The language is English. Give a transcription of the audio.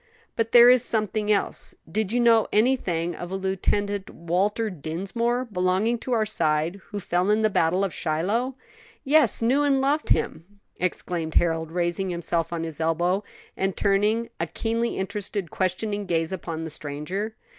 "But there is something else. Did you know anything of a Lieutenant Walter Dinsmore, belonging to our side, who fell in the battle of Shiloh?" "Yes; knew and loved him!" exclaimed Harold, raising himself on his elbow, and turning a keenly interested, questioning gaze upon the stranger.